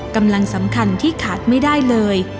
กำลังสำคัญที่ขาดไม่ได้เลย